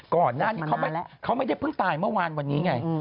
ก่อนหน้านี้เขาไม่ได้เพิ่งตายเมื่อวานวันนี้ไง